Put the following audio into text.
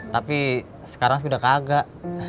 tapi sekarang udah kagak